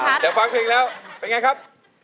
เดี๋ยวฟังเพลงแล้วเป็นไงครับ